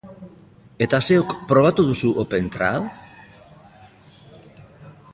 Eta zeuk, probatu duzu OpenTrad?